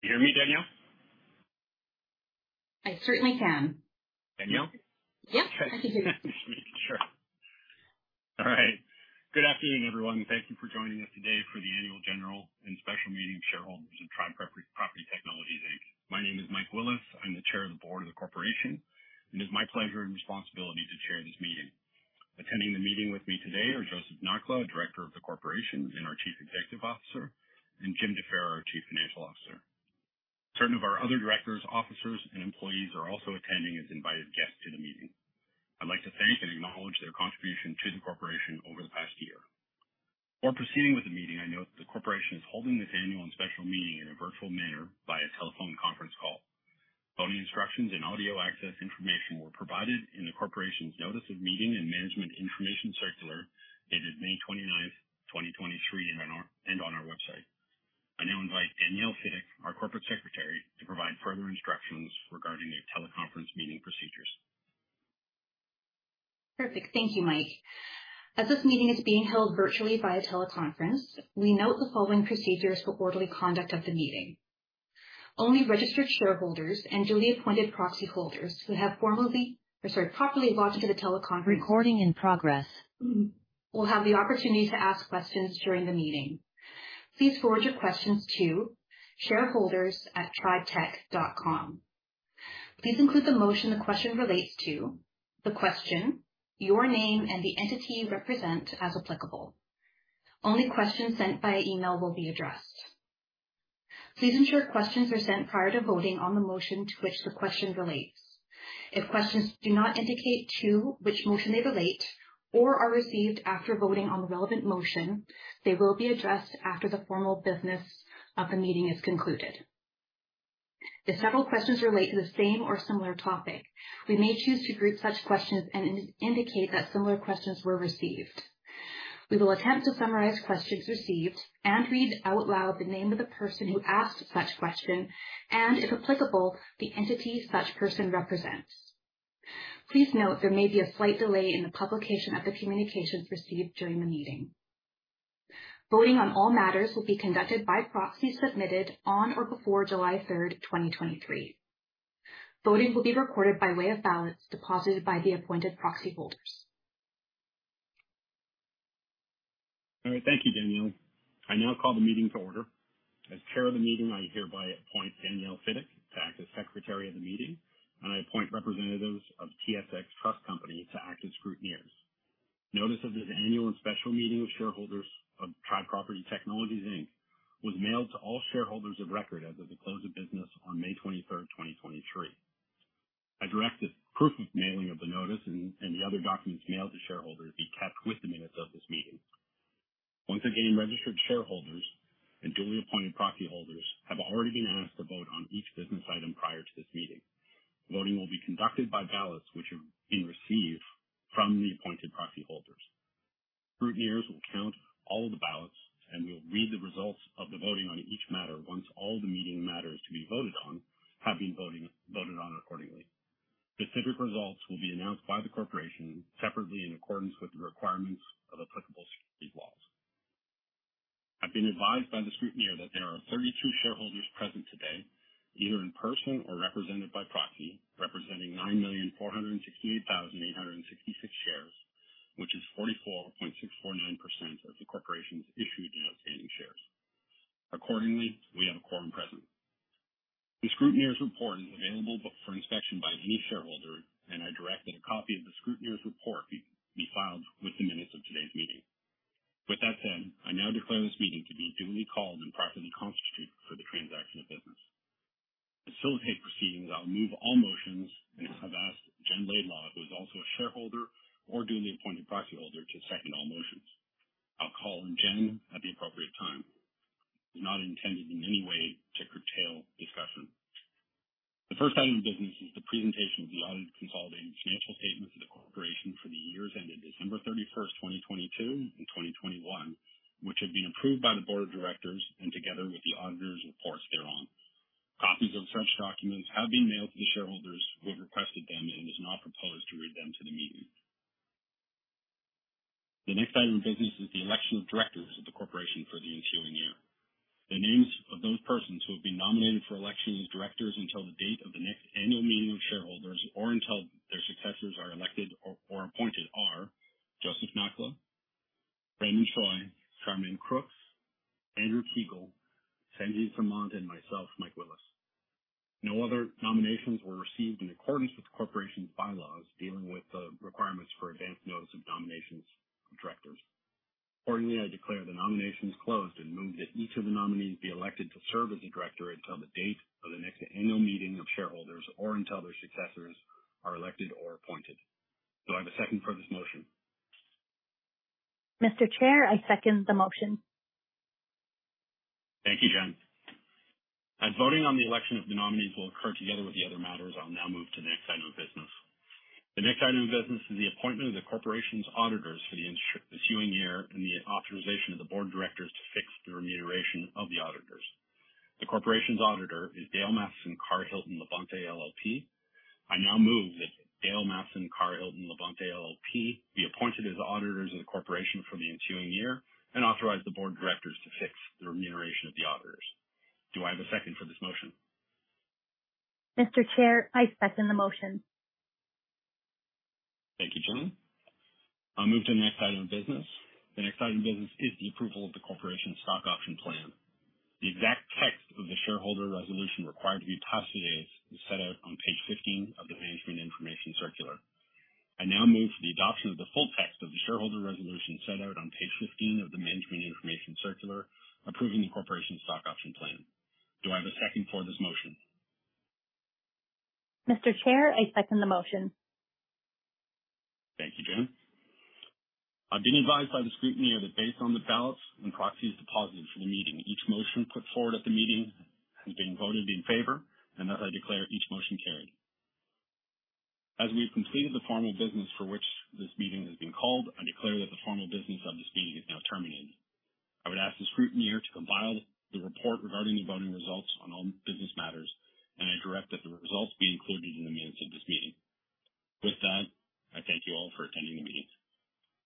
Can you hear me, Danielle? I certainly can. Danielle? Yep, I can hear you. Just making sure. All right. Good afternoon, everyone, thank you for joining us today for the Annual General and Special Meeting of Shareholders of Tribe Property Technologies Inc. My name is Michael Willis. I'm the chair of the board of the corporation, and it's my pleasure and responsibility to chair this meeting. Attending the meeting with me today are Joseph Nakhla, Director of the corporation and our Chief Executive Officer, and Jim Defer, our Chief Financial Officer. Certain of our other directors, officers, and employees are also attending as invited guests to the meeting. I'd like to thank and acknowledge their contribution to the corporation over the past year. Before proceeding with the meeting, I note that the corporation is holding this annual and special meeting in a virtual manner by a telephone conference call. Voting instructions and audio access information were provided in the corporation's notice of meeting and management information circular, dated May 29, 2023, on our website. I now invite Danielle Fiddick, our corporate secretary, to provide further instructions regarding the teleconference meeting procedures. Perfect. Thank you, Mike. As this meeting is being held virtually by a teleconference, we note the following procedures for orderly conduct of the meeting. Only registered shareholders and duly appointed proxy holders who have properly logged into the teleconference. Recording in progress. will have the opportunity to ask questions during the meeting. Please forward your questions to shareholders@tribetech.com. Please include the motion the question relates to, the question, your name, and the entity you represent, as applicable. Only questions sent via email will be addressed. Please ensure questions are sent prior to voting on the motion to which the question relates. If questions do not indicate to which motion they relate or are received after voting on the relevant motion, they will be addressed after the formal business of the meeting is concluded. If several questions relate to the same or similar topic, we may choose to group such questions and indicate that similar questions were received. We will attempt to summarize questions received and read out loud the name of the person who asked such question, and, if applicable, the entity such person represents. Please note, there may be a slight delay in the publication of the communications received during the meeting. Voting on all matters will be conducted by proxies submitted on or before July third, 2023. Voting will be recorded by way of ballots deposited by the appointed proxy holders. All right. Thank you, Danielle. I now call the meeting to order. As chair of the meeting, I hereby appoint Danielle Fiddick to act as secretary of the meeting, I appoint representatives of TSX Trust Company to act as scrutineers. Notice of this annual and special meeting of shareholders of Tribe Property Technologies Inc. was mailed to all shareholders of record as of the close of business on May 23, 2023. I direct that proof of mailing of the notice and the other documents mailed to shareholders be kept with the minutes of this meeting. Once again, registered shareholders and duly appointed proxy holders have already been asked to vote on each business item prior to this meeting. Voting will be conducted by ballots which have been received from the appointed proxy holders. Scrutineers will count all the ballots, and we will read the results of the voting on each matter once all the meeting matters to be voted on have been voted on accordingly. Specific results will be announced by the corporation separately in accordance with the requirements of applicable security laws. I've been advised by the scrutineer that there are 32 shareholders present today, either in person or represented by proxy, representing 9,468,866 shares, which is 44.649% of the corporation's issued and outstanding shares. We have a quorum present. The scrutineer's report is available for inspection by any shareholder, and I direct that a copy of the scrutineer's report be filed with the minutes of today's meeting. With that said, I now declare this meeting to be duly called and properly constituted for the transaction of business. To facilitate proceedings, I'll move all motions, and I've asked Jenn Laidlaw, who is also a shareholder or duly appointed proxyholder, to second all motions. I'll call on Jenn at the appropriate time. It's not intended in any way to curtail discussion. The first item of business is the presentation of the audited consolidated financial statements of the corporation for the years ending December 31st, 2022 and 2021, which have been approved by the board of directors and together with the auditor's reports thereon. Copies of such documents have been mailed to the shareholders who have requested them and is not proposed to read them to the meeting. The next item of business is the election of directors of the corporation for the ensuing year. The names of those persons who have been nominated for election as directors until the date of the next annual meeting of shareholders, or until their successors are elected or appointed, are Joseph Nakhla, Raymond Choy, Charmaine Crooks, Andrew Kiguel, Sanjiv Samant, and myself, Mike Willis. No other nominations were received in accordance with the corporation's bylaws dealing with the requirements for advance notice of nominations for directors. Accordingly, I declare the nominations closed and move that each of the nominees be elected to serve as a director until the date of the next annual meeting of shareholders or until their successors are elected or appointed. Do I have a second for this motion? Mr. Chair, I second the motion. Thank you, Jenn. As voting on the election of the nominees will occur together with the other matters, I'll now move to the next item of business. The next item of business is the appointment of the corporation's auditors for the ensuing year, and the authorization of the board of directors to fix the remuneration of the auditors. The corporation's auditor is Dale Matheson Carr-Hilton LaBonte LLP. I now move that Dale Matheson Carr-Hilton LaBonte LLP be appointed as the auditors of the corporation for the ensuing year, and authorize the board of directors to fix the remuneration of the auditors. Do I have a second for this motion? Mr. Chair, I second the motion. Thank you, Jenn. I'll move to the next item of business. The next item of business is the approval of the corporation's stock option plan. The exact text of the shareholder resolution required to be passed today is set out on page 15 of the management information circular. I now move for the adoption of the full text of the shareholder resolution set out on page 15 of the management information circular, approving the corporation's stock option plan. Do I have a second for this motion? Mr. Chair, I second the motion. Thank you, Jenn. I've been advised by the scrutineer that based on the ballots and proxies deposited for the meeting, each motion put forward at the meeting has been voted in favor, and thus I declare each motion carried. As we have completed the formal business for which this meeting has been called, I declare that the formal business of this meeting is now terminated. I would ask the scrutineer to compile the report regarding the voting results on all business matters, and I direct that the results be included in the minutes of this meeting. With that, I thank you all for attending the meeting.